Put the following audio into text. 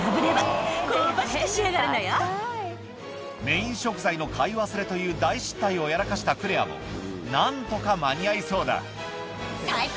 メイン食材の買い忘れという大失態をやらかしたクレアも何とか間に合いそうだ